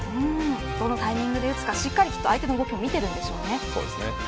どのタイミングで打つか相手の動きも見ているんでしょうね。